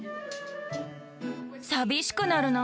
寂しくなるな。